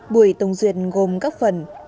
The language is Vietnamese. buổi tổng duyệt gồm các phần